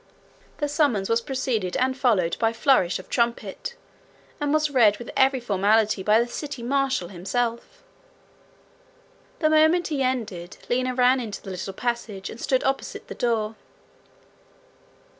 The summons was preceded and followed by flourish of trumpet, and was read with every formality by the city marshal himself. The moment he ended, Lina ran into the little passage, and stood opposite the door.